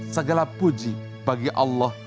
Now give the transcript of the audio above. segala puji bagi allah